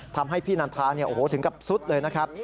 ทำให้พี่นันทาถึงกับซุดเลยนะครับ